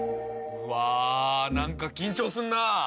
うわ何か緊張すんなぁ。